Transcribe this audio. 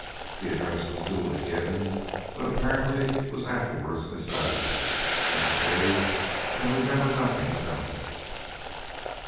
The address was duly given, but apparently was afterwards mislaid. Mrs. Cave can remember nothing about it.